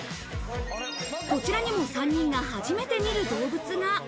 こちらにも３人が初めて見る動物が。